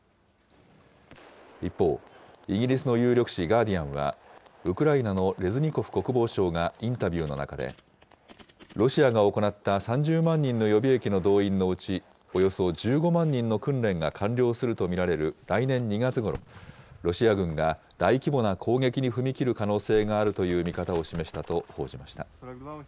一方、イギリスの有力紙、ガーディアンは、ウクライナのレズニコフ国防相がインタビューの中で、ロシアが行った３０万人の予備役の動員のうち、およそ１５万人の訓練が完了すると見られる来年２月ごろ、ロシア軍が大規模な攻撃に踏み切る可能性があるという見方を示したと報じました。